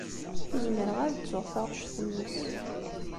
Ur zmireɣ ara ad ttuɣ taɣect-nnes.